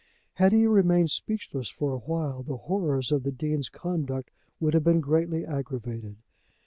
Had he remained speechless for a while the horrors of the Dean's conduct would have been greatly aggravated.